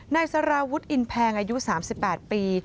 นายสารวุฒิอินแพงอายุ๓๘ปี